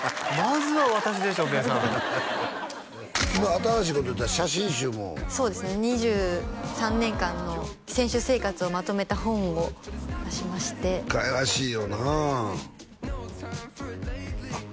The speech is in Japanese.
新しいこというたら写真集もそうですね２３年間の選手生活をまとめた本を出しましてかわいらしいよなあっ